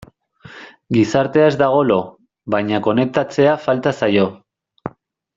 Gizartea ez dago lo, baina konektatzea falta zaio.